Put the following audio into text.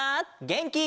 げんき！